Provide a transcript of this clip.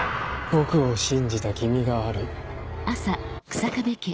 僕を信じた君が悪い。